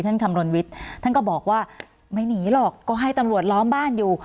คำรณวิทย์ท่านก็บอกว่าไม่หนีหรอกก็ให้ตำรวจล้อมบ้านอยู่